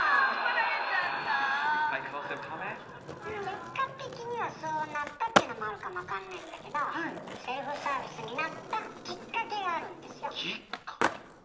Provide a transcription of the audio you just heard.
結果的にはそうなったっていうのもあるかもわかんないんだけどセルフサービスになったきっかけがあるんですよ。きっかけ。